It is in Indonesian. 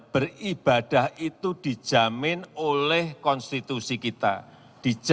beribadah itu dijamin oleh konstitusi kita